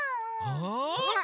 あ！